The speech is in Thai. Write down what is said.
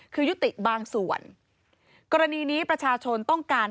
คือยุติบางส่วนกรณีนี้ประชาชนต้องการ